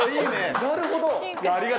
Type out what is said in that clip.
なるほど。